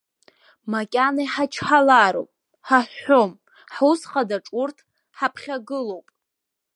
Макьана иҳачҳалароуп, ҳаҳәҳәом, ҳус хадаҿ урҭ ҳаԥхьагылоуп.